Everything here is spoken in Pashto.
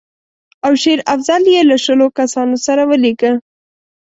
او شېر افضل یې له شلو کسانو سره ولېږه.